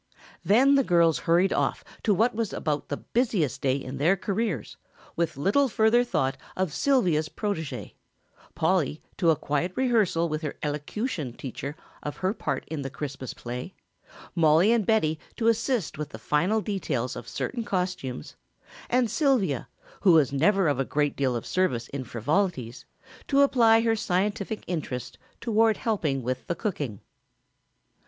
Then the girls hurried off to what was about the busiest day in their careers, with little further thought of Sylvia's protégé; Polly to a quiet rehearsal with her elocution teacher of her part in the Christmas play, Mollie and Betty to assist with the final details of certain costumes, and Sylvia, who was never of a great deal of service in frivolities, to apply her scientific interest toward helping with the cooking.